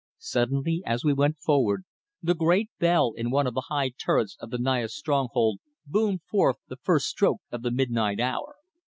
Suddenly, as we went forward, the great bell in one of the high turrets of the Naya's stronghold boomed forth the first stroke of the midnight hour.